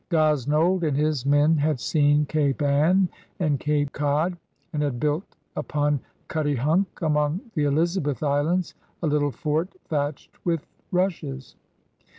Gosnold and his men had seen Cape Ann and Cape Cod, and had built upon Cuttyhunk, among the Elizabeth Islands, a little fort thatched with rushes.